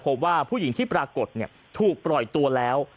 พบว่าผู้หญิงที่ปรากฏถูกปล่อยตัวแล้ว